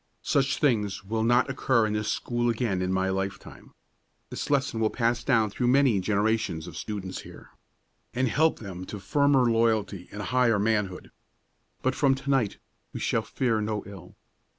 Such things will not occur in this school again in my lifetime. This lesson will pass down through many generations of students here, and help them to firmer loyalty and higher manhood. But from to night we shall fear no ill.